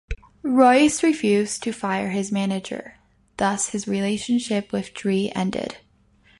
Royce refused to fire his manager, thus his relationship with Dre ended.